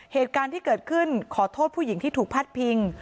เหตุการณ์ที่เกิดขึ้นขอโทษผู้หญิงที่ถูกพัดพิง